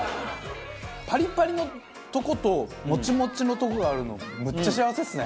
パリパリのとことモチモチのとこがあるのむっちゃ幸せですね。